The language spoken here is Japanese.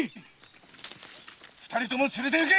二人とも連れて行け！